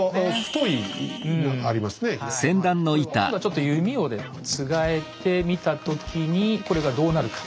今度はちょっと弓をつがえてみた時にこれがどうなるか。